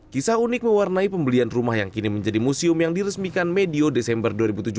kisah unik mewarnai pembelian rumah yang kini menjadi museum yang diresmikan medio desember dua ribu tujuh belas